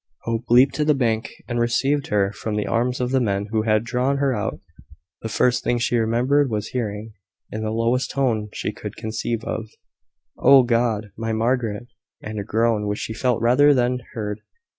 Hope leaped to the bank, and received her from the arms of the men who had drawn her out. The first thing she remembered was hearing, in the lowest tone she could conceive of "Oh, God! my Margaret!" and a groan, which she felt rather than heard.